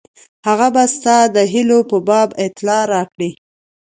هغه به ستا د هیلو په باب اطلاع راکړي.